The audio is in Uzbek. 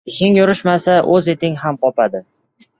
• Ishing yurishmasa, o‘z iting ham qopadi.